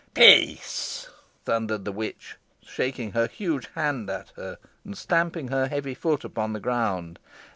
"Peace!" thundered the witch, shaking her huge hand at her, and stamping her heavy foot upon the ground.